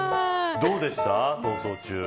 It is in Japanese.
どうでした、逃走中。